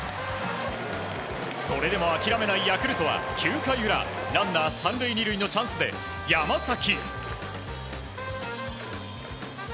それでも諦めないヤクルトは９回裏ランナー３塁２塁のチャンスで山崎。